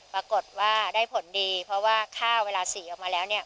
ปรากฏว่าได้ผลดีเพราะว่าข้าวเวลาสีออกมาแล้วเนี่ย